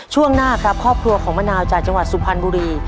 ช่วงหน้าครับครอบครัวของมะนาวจากจังหวัดสุพรรณบุรี